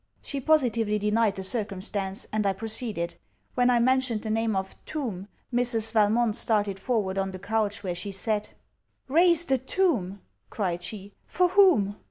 She positively denied the circumstance, and I proceeded. When I mentioned the name of tomb, Mrs. Valmont started forward on the couch where she sat. 'Raised a tomb!' cried she. 'For whom?'